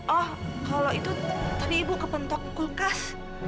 oh kalau itu tadi ibu kepentok kulkas